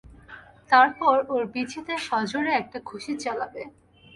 তারপর ওর বিচিতে সজোরে একটা ঘুষি চালাবে।